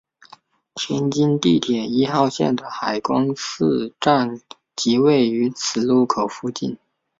天津地铁一号线的海光寺站即位于此路口附近。